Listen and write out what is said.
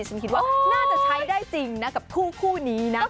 ฉันคิดว่าน่าจะใช้ได้จริงนะกับคู่นี้นะ